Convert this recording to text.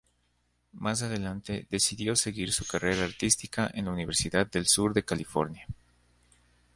Más adelante decidió seguir su carrera artística en la Universidad del Sur de California.